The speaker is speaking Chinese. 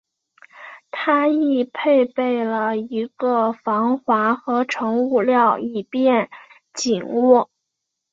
它亦配备了一个防滑合成物料以便紧握。